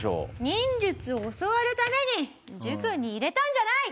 「忍術を教わるために塾に入れたんじゃない！」